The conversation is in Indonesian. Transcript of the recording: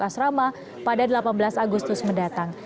di jemaah asrama pada delapan belas agustus mendatang